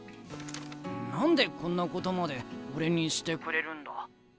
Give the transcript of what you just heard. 何でこんなことまで俺にしてくれるんだ？